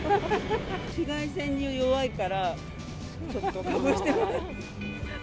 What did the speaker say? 紫外線に弱いから、ちょっとかぶしてもらって。